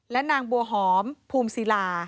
และนางบัวหอมภูมิศิลา